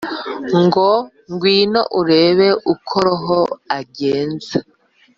ngo ngwino urebe uko roho agenza